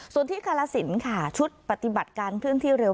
ส่วนที่กาลสินค่ะชุดปฏิบัติการเคลื่อนที่เร็ว